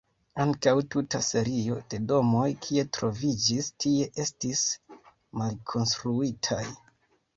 Ankaŭ tuta serio de domoj kie troviĝis tie estis malkonstruitaj.